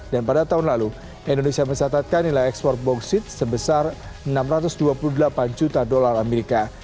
dan pada tahun lalu indonesia mencatatkan nilai ekspor boksit sebesar enam ratus dua puluh delapan juta dolar amerika